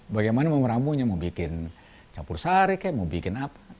bagaimana memuramunya mau bikin campur sari kayaknya mau bikin apa